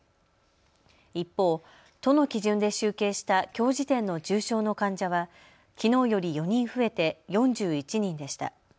一方、都の基準で集計したきょう時点の重症の患者はきのうより４人増えて４１人でした。